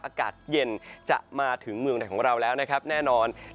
อากาศเย็นจะมาถึงเมืองไหนของเราแล้วนะครับแน่นอน